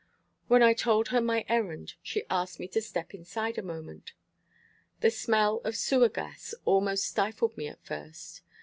When I told her my errand, she asked me to step inside a moment. The smell of sewer gas almost stifled me at first.